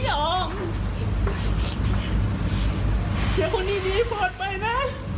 เดี๋ยวคนดีพอดไปนะ